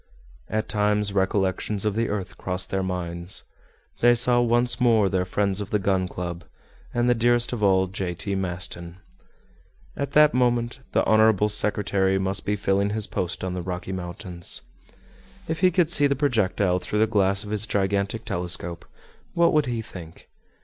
At times recollections of the earth crossed their minds. They saw once more their friends of the Gun Club, and the dearest of all, J. T. Maston. At that moment, the honorable secretary must be filling his post on the Rocky Mountains. If he could see the projectile through the glass of his gigantic telescope, what would he think?